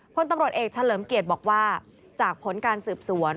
พลตำรวจเอกเฉลิมเกียรติบอกว่าจากผลการสืบสวน